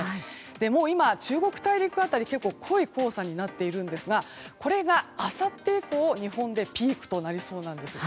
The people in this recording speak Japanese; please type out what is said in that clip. もう今、中国大陸辺りは濃い黄砂になっていますがこれがあさって以降日本でピークとなりそうです。